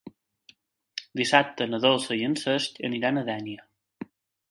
Dissabte na Dolça i en Cesc aniran a Dénia.